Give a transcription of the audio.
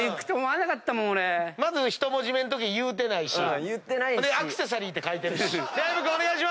まず１文字目のとき言うてないし「アクセサリー」って書いてるし。